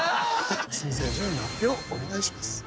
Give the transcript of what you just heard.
先生順位の発表をお願いします。